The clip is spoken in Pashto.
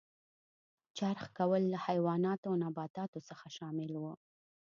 چرخ کول له حیواناتو او نباتاتو څخه شامل و.